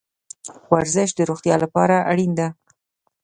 ورزش د روغتیا لپاره اړین ده